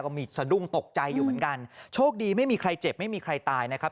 มีสะดุ้งตกใจอยู่เหมือนกันโชคดีไม่มีใครเจ็บไม่มีใครตายนะครับ